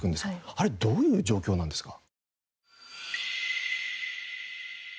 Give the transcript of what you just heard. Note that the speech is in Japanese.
あれどういう状況なんですか？